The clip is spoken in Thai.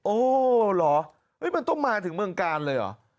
โอ้เหรอมันต้องมาถึงเมืองกาลเลยเหรอ